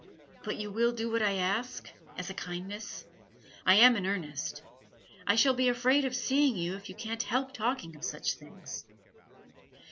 'But you will do what I ask, as a kindness? I am in earnest; I shall be afraid of seeing you if you can't help talking of such things.'